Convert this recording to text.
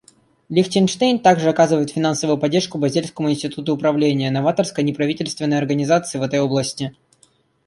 Лихтенштейн также оказывает финансовую поддержку Базельскому институту управления — новаторской неправительственной организации в этой области.